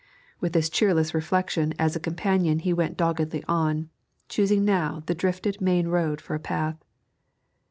With this cheerless reflection as a companion he went doggedly on, choosing now the drifted main road for a path.